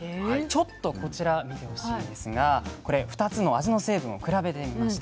ちょっとこちら見てほしいんですがこれ２つの味の成分を比べてみました。